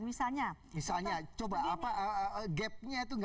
misalnya misalnya coba gapnya itu tidak nyambungnya